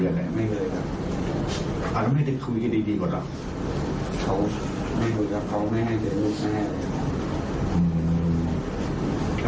เขาไม่ให้เจอลูกแม่เลยครับ